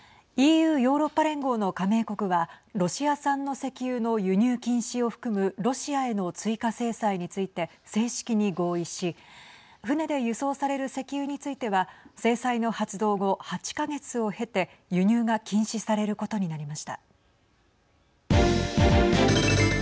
ＥＵ＝ヨーロッパ連合の加盟国はロシア産の石油の輸入禁止を含むロシアへの追加制裁について正式に合意し船で輸送される石油については制裁の発動後、８か月を経て輸入が禁止されることになりました。